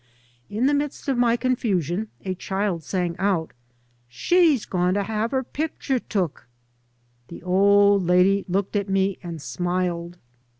In the midst of my confusion a child sang out: " She's going to have her picture took I " The old lady looked at me and smiled.